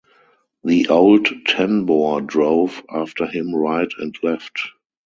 The old ten-bore drove after him right and left.